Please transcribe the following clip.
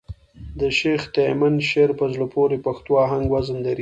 د شېخ تیمن شعر په زړه پوري پښتو آهنګ وزن لري.